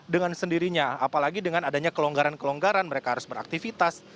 dengan sendirinya apalagi dengan adanya kelonggaran kelonggaran mereka harus beraktivitas